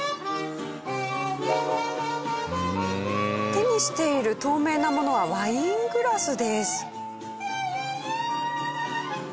手にしている透明なものはワイングラスです。